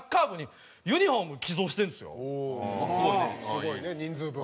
すごいね人数分？